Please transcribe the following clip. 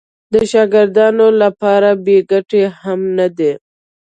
د شاګردانو لپاره بې ګټې هم نه دي.